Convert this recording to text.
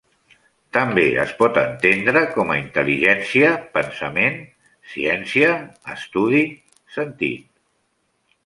També es pot entendre com a 'intel·ligència', 'pensament', 'ciència', 'estudi', 'sentit'.